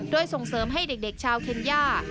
โดยส่งเสริมให้เด็กชาวเคนย่า